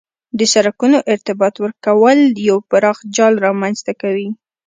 د سرکونو ارتباط ورکول یو پراخ جال رامنځ ته کوي